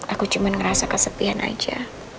aku cuma ngerasa kesepian aja